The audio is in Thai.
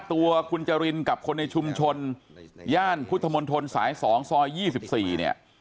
ตัวคุณจรินกับคนในชุมชนย่านพุทธมนตรสาย๒ซอย๒๔เนี่ย